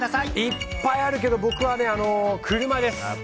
いっぱいあるけど僕は車です。